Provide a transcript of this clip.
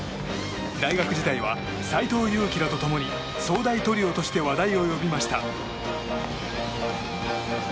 大学時代は斎藤佑樹らと共に早大トリオとして話題を呼びました。